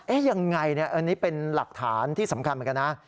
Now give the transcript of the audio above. ยังไงเนี่ยอันนี้เป็นหลักฐานที่สำคัญเหมือนกันนะ